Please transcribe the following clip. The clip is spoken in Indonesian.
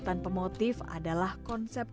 tanpa motif adalah konsep